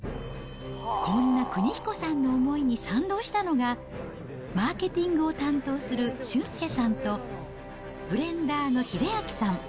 こんな邦彦さんの思いに賛同したのが、マーケティングを担当する俊祐さんと、ブレンダーの英明さん。